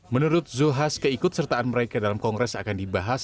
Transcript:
menurut zuhas keikut sertaan mereka dalam kongres akan dibahas